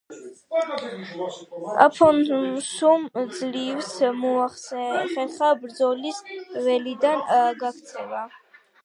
აფონსუმ ძლივს მოახერხა ბრძოლის ველიდან გაქცევა.